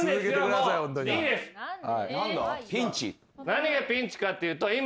何がピンチかっていうと今。